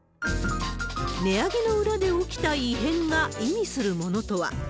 値上げの裏で起きた異変が意味するものとは。